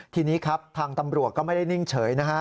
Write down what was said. ทีนี้ครับทางตำรวจก็ไม่ได้นิ่งเฉยนะฮะ